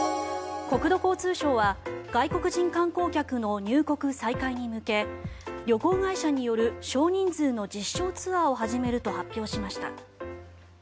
国土交通省は外国人観光客の入国再開に向け旅行会社による少人数の実証ツアーを始めると発表しました。